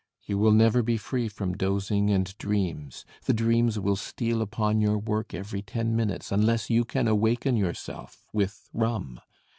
You will never be free from dozing and dreams; the dreams will steal upon your work every ten minutes unless you can awaken yourself with rum.